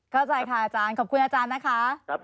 เข้าใจค่ะอาจารย์ขอบคุณอาจารย์นะคะ